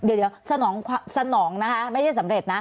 เดี๋ยวสนองนะฮะไม่ใช่สำเร็จนะ